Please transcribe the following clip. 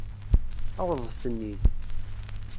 Awḍet nnig.